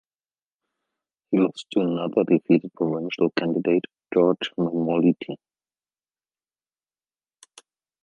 He lost to another defeated provincial candidate George Mammoliti.